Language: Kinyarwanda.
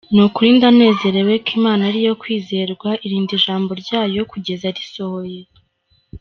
"Ni ukuri ndanezerewe ko Imana ari iyo kwizerwa, irinda ijambo ryayo kugeza risohoye.